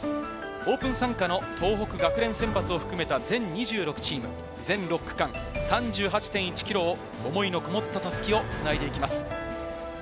オープン参加の東北学院選抜を含めた全２６チーム、全６区間、３８．１ｋｍを思いのこもった襷をつないでいきます。